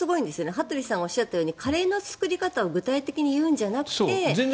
羽鳥さんがおっしゃったようにカレーの作り方を具体的に言うんじゃなくて。